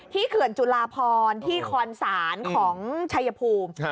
เขื่อนจุลาพรที่คอนศาลของชัยภูมิ